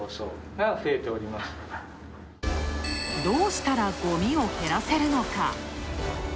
どうしたらごみを減らせるのか。